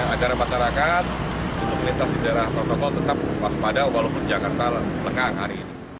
adara masyarakat untuk lintas di jarak protokol tetap pas padau walaupun jakarta lengang hari ini